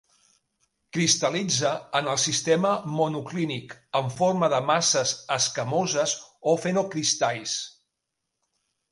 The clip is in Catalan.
Cristal·litza en el sistema monoclínic, en forma de masses escamoses o fenocristalls.